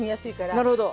なるほど。